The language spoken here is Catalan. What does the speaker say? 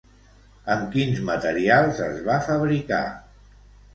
Amb quins materials es va fabricar?